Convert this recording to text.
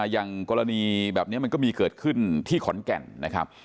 อย่างกรณีแบบนี้มันก็มีเกิดขึ้นที่ขอนแก่นนะครับ